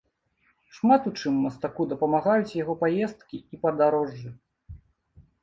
Шмат у чым мастаку дапамагаюць яго паездкі і падарожжы.